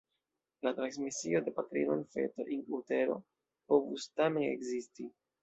La transmisio de patrino al feto "in utero" povus tamen ekzisti.